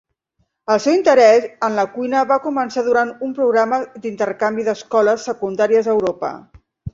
El seu interès en la cuina va començar durant un programa d'intercanvi d'escoles secundàries a Europa.